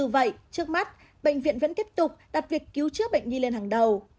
vậy trước mắt bệnh viện vẫn tiếp tục đặt việc cứu chữa bệnh nhi lên hàng đầu